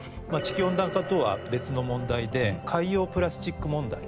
地球温暖化とは別の問題で海洋プラスチック問題。